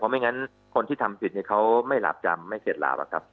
เพราะไม่งั้นคนที่ทำผิดเนี่ยเขาไม่หลับจำไม่เขตหลาบอะครับ